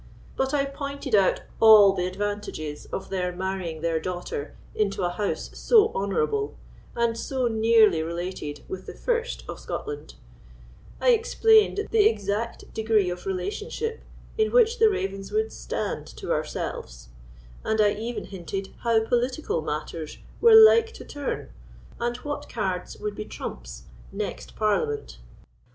But I pointed out all the advantages of their marrying their daughter into a house so honourable, and so nearly related with the first of Scotland; I explained the exact degree of relationship in which the Ravenswoods stand to ourselves; and I even hinted how political matters were like to turn, and what cards would be trumps next Parliament.